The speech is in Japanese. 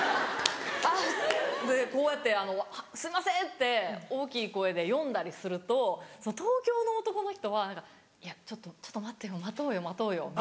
こうやって「すいません！」って大きい声で呼んだりすると東京の男の人は「いやちょっと待ってよ